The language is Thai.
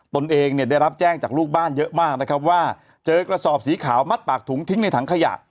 ตนเองเนี่ยได้รับแจ้งจากลูกบ้านเยอะมากนะครับว่าเจอกระสอบสีขาวมัดปากถุงทิ้งในถังขยะ